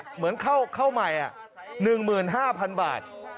เหมือนเข้าใหม่๑๕๐๐๐บาท